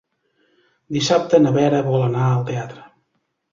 Dissabte na Vera vol anar al teatre.